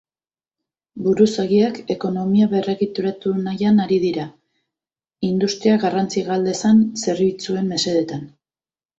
Buruzagiak ekonomia berregituratu nahian ari dira, industriak garrantzia gal dezan zerbitzuen mesedetan.